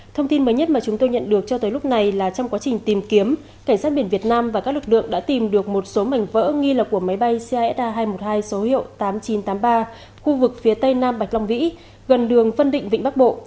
thông tin mới nhất mà chúng tôi nhận được cho tới lúc này là trong quá trình tìm kiếm cảnh sát biển việt nam và các lực lượng đã tìm được một số mảnh vỡ nghi là của máy bay csa hai trăm một mươi hai số hiệu tám nghìn chín trăm tám mươi ba khu vực phía tây nam bạch long vĩ gần đường phân định vịnh bắc bộ